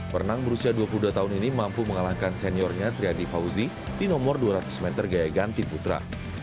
perenang berusia dua puluh dua tahun ini mampu mengalahkan seniornya triadi fauzi di nomor dua ratus meter gaya ganti putra